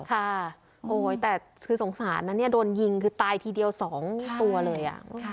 ค่ะโอ้ยแต่คือสงสารนะเนี่ยโดนยิงคือตายทีเดียว๒ตัวเลย